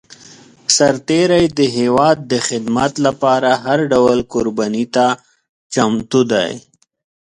سرتېری د هېواد د خدمت لپاره هر ډول قرباني ته چمتو دی.